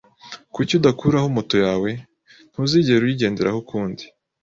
Kuki udakuraho moto yawe? Ntuzigera uyigenderaho ukundi.